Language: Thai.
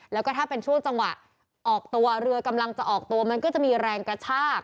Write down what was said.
แล้วก็ถ้าเป็นช่วงจังหวะออกตัวเรือกำลังจะออกตัวมันก็จะมีแรงกระชาก